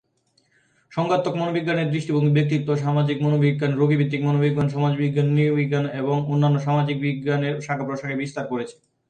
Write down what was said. সংজ্ঞানাত্মক মনোবিজ্ঞানের দৃষ্টিভঙ্গি ব্যক্তিত্ব, সামাজিক মনোবিজ্ঞান, রোগীভিত্তিক মনোবিজ্ঞান, সমাজবিজ্ঞান, নৃবিজ্ঞান এবং অন্যান্য সামাজিক বিজ্ঞানের শাখা-প্রশাখায় প্রভাব বিস্তার করেছে।